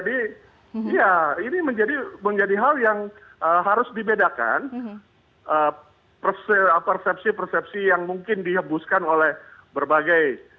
dan ini menjadi hal yang harus dibedakan persepsi persepsi yang mungkin dihembuskan oleh berbagai